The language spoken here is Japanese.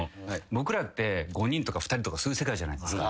僕らって５人とか２人とかそういう世界じゃないですか。